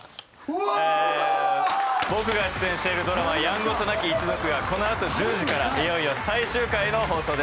僕が出演しているドラマ『やんごとなき一族』はこの後１０時からいよいよ最終回の放送です。